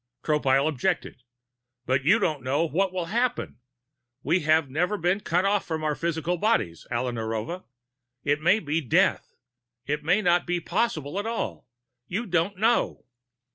Tropile objected: "But you don't know what will happen! We have never been cut off from our physical bodies, Alla Narova. It may be death. It may not be possible at all. You don't know!"